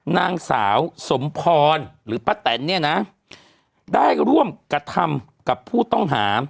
นางสาวสมพรหรือป้าแตนเนี่ยนะได้ร่วมกระทำกับผู้ต้องหา